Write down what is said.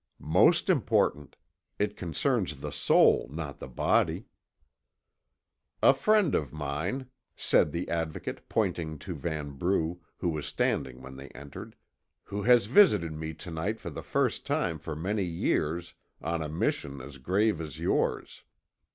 "Most important; it concerns the soul, not the body." "A friend of mine," said the Advocate, pointing to Vanbrugh, who was standing when they entered, "who has visited me to night for the first time for many years, on a mission as grave as yours.